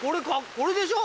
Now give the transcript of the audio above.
これでしょ？